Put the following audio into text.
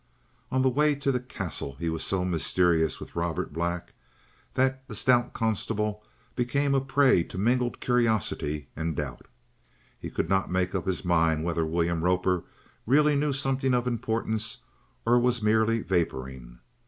On the way to the Castle he was so mysterious with Robert Black that the stout constable became a prey to mingled curiosity and doubt. He could not make up his mind whether William Roper really knew something of importance or was merely vapouring.